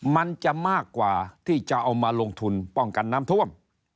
มันจะมากกว่าที่จะเอามาลงทุนป้องกันน้ำท่วม